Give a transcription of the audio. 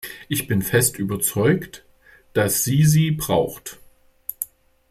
Ich bin fest überzeugt, dass sie sie braucht.